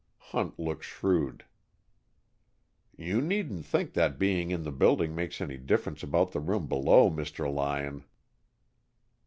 Hunt looked shrewd. "You needn't think that being in the building makes any difference about the room below, Mr. Lyon!"